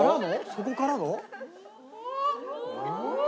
そこからの？